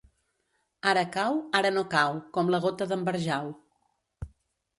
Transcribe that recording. Ara cau, ara no cau, com la gota d'en Barjau.